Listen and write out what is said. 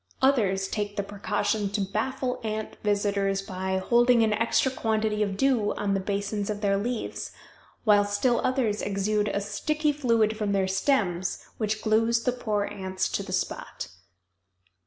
Others take the precaution to baffle ant visitors by holding an extra quantity of dew on the basins of their leaves, while still others exude a sticky fluid from their stems which glues the poor ants to the spot.